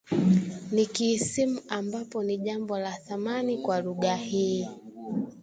ya kiisimu ambapo ni jambo la thamani kwa lugha hii